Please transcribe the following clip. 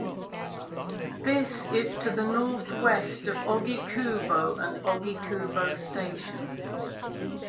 This is to the northwest of Ogikubo and Ogikubo Station.